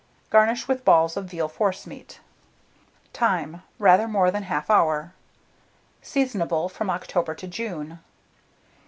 Garnish with balls of veal forcemeat. Time. Rather more than 1/2 hour. Seasonable from October to June.